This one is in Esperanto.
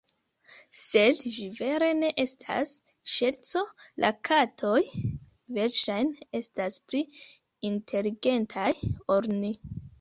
Sed ĝi vere ne estas ŝerco, la katoj versaĵne estas pli inteligentaj ol ni.